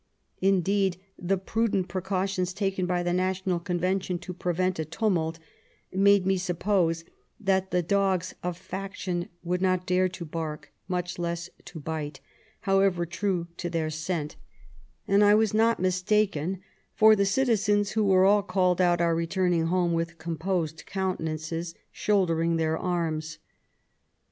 Indeed, the prudent precautions taken by the National Convention to prevent a tumult made me suppose that the dogs of faction would not dare to bark, much less to bite, however true to their scent ; and I was not mistaken ; for the citizens, who were all called out, are returning home with composed countenances, shouldering their arms.